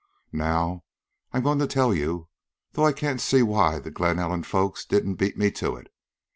Now, I 'm goin' to tell you, though I can't see why the Glen Ellen folks didn't beat me to it.